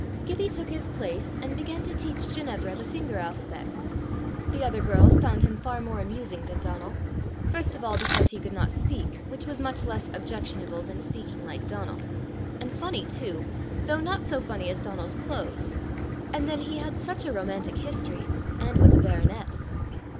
Gibbie took his place, and began to teach Ginevra the finger alphabet. The other girls found him far more amusing than Donal first of all because he could not speak, which was much less objectionable than speaking like Donal and funny too, though not so funny as Donal's clothes. And then he had such a romantic history! and was a baronet!